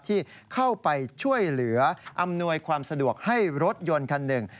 ที่เข้าไปช่วยเหลืออำนวยความสะดวกให้รถยนต์คันหนึ่ง